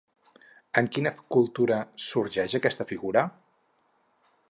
En quina cultura sorgeix aquesta figura?